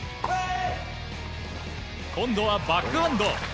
今度はバックハンド。